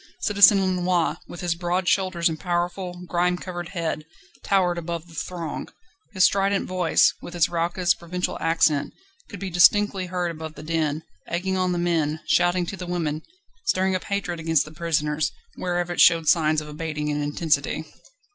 Citizen Lenoir, with his broad shoulders and powerful, grime covered head, towered above the throng; his strident voice, with its raucous, provincial accent, could be distinctly heard above the din, egging on the men, shouting to the women, stirring up hatred against the prisoners, wherever it showed signs of abating in intensity.